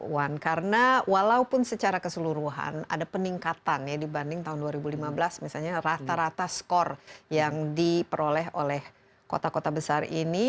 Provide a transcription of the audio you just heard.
wan karena walaupun secara keseluruhan ada peningkatan ya dibanding tahun dua ribu lima belas misalnya rata rata skor yang diperoleh oleh kota kota besar ini